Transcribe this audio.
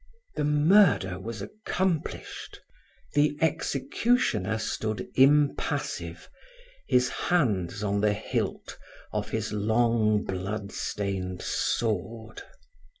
The murder was accomplished. The executioner stood impassive, his hands on the hilt of his long, blood stained sword.